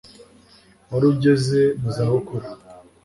wari ugeze mu za bukuru